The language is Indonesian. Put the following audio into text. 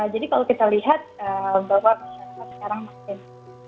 jadi kalau kita lihat bahwa masyarakat sekarang makin